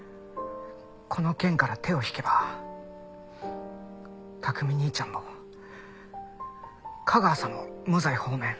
この件から手を引けば琢己兄ちゃんも架川さんも無罪放免。